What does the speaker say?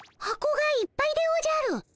箱がいっぱいでおじゃる。